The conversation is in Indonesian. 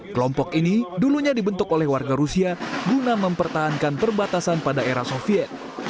kelompok ini dulunya dibentuk oleh warga rusia guna mempertahankan perbatasan pada era soviet